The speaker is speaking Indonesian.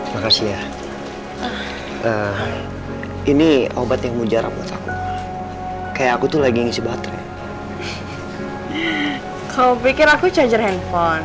makasih ya ini obat yang mujarab kayak aku tuh lagi isi baterai kau pikir aku charger handphone